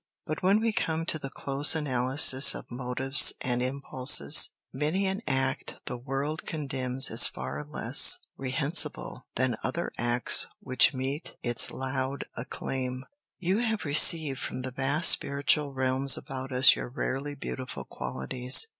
But when we come to the close analysis of motives and impulses, many an act the world condemns is far less reprehensible than other acts which meet its loud acclaim. You have received from the vast spiritual realms about us your rarely beautiful qualities.